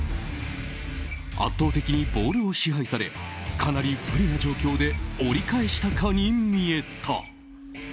圧倒的にボールを支配されかなり不利な状況で折り返したかに見えた。